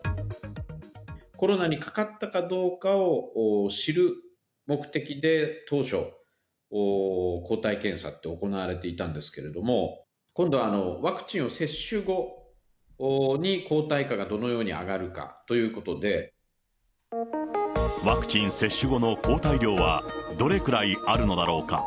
コロナにかかったかどうかを知る目的で、当初、抗体検査って行われていたんですけれども、今度はワクチンを接種後に抗体価がどのように上がるかということワクチン接種後の抗体量は、どれくらいあるのだろうか。